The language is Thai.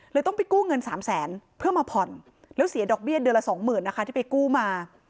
ต้องไปกู้เงิน๓แสนเพื่อมาผ่อนแล้วเสียดอกเบี้ยเดือนละสองหมื่นนะคะที่ไปกู้มา